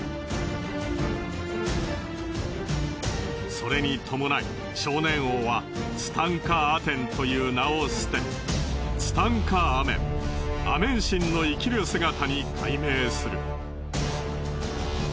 それに伴い少年王はツタンカアテンという名を捨てツタンカアメンアメン神の生きる姿に改名する。